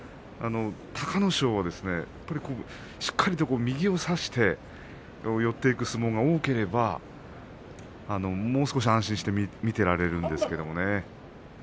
隆の勝は、しっかりと右を差して寄っていく相撲が多ければもう少し安心して見ていられるんですけれどもね。